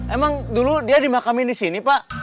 emang dulu dia dimakamin disini pak